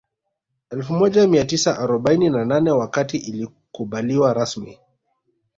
Elfu moja mia tisa arobaini na nane wakati ilikubaliwa rasmi